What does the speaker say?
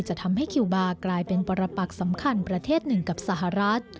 จะทำให้คิวบาร์กลายเป็นปรปักสำคัญประเทศหนึ่งกับสหรัฐ